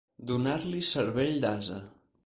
Donar-li cervell d'ase.